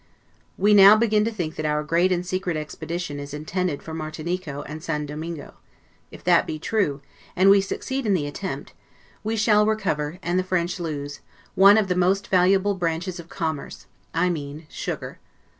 We now begin to think that our great and secret expedition is intended for Martinico and St. Domingo; if that be true, and we succeed in the attempt, we shall recover, and the French lose, one of the most valuable branches of commerce I mean sugar.